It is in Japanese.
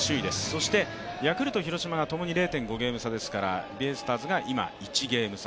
そしてヤクルト、広島がともに０．５ゲーム差ですからベイスターズが今、１ゲーム差。